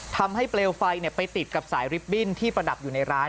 เปลวไฟไปติดกับสายลิฟตบิ้นที่ประดับอยู่ในร้าน